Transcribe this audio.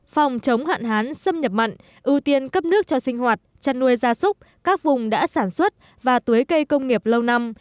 phòng chống hạn hán xâm nhập mặn ưu tiên cấp nước cho sinh hoạt chăn nuôi gia súc các vùng đã sản xuất và tuế cây công nghiệp lâu năm